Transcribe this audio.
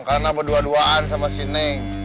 karena berdua duaan sama si neng